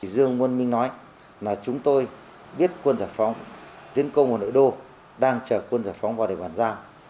dương quân minh nói là chúng tôi biết quân giải phóng tiến công vào nội đô đang chở quân giải phóng vào để bàn giao